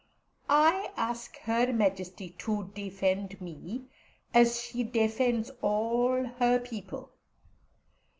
I ask Her Majesty to defend me, as she defends all her people.